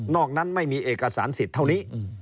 นั้นไม่มีเอกสารสิทธิ์เท่านี้